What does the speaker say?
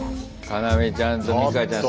カナミちゃんとミカちゃん